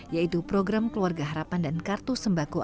yaitu program keluarga harapan dan kartu sembako